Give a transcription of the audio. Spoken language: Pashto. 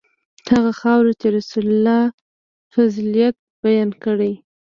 هغه خاوره چې رسول الله فضیلت بیان کړی.